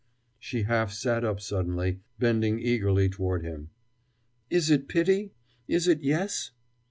She half sat up suddenly, bending eagerly toward him. "Is it pity? Is it 'yes'?"